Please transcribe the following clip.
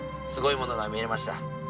すごいものが見れました。